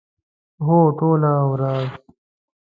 هو، ټوله ورځ